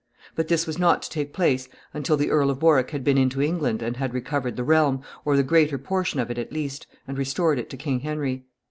But this was not to take place until the Earl of Warwick had been into England and had recovered the realm, or the greater portion of it at least, and restored it to King Henry.